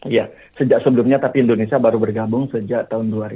iya sejak sebelumnya tapi indonesia baru bergabung sejak tahun dua ribu